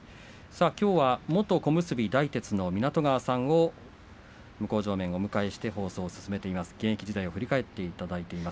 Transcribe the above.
きょうは元小結大徹の湊川さんを向正面にお迎えしています。